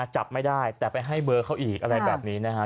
จับไม่ได้แต่ไปให้เบอร์เขาอีกอะไรแบบนี้นะฮะ